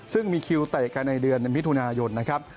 ซึ่งมีคิวเตะกันในเดือนมิถุนายนนะครับ